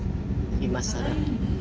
今更。